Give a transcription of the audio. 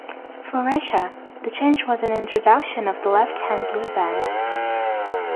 For Russia, the change was an introduction of the left-hand blue band.